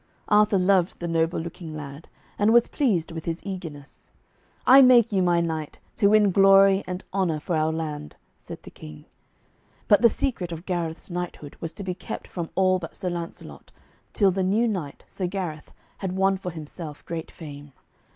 Arthur loved the noble looking lad, and was pleased with his eagerness. 'I make you my knight, to win glory and honour for our land,' said the King. But the secret of Gareth's knighthood was to be kept from all but Sir Lancelot, till the new knight, Sir Gareth, had won for himself great fame.